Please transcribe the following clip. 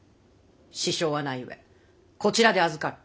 支障はないゆえこちらで預かる。